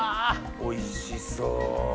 おいしそ！